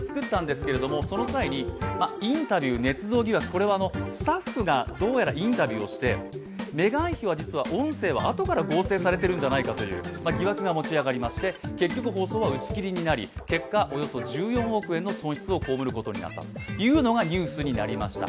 これはスタッフがどうやらインタビューをして、メガン妃は実は音声は後から合成されているんじゃないかという疑惑が持ち上がりまして、結局放送は打ち切りになり結果、およそ１４億円の損失を被ることになったというのがニュースになりました。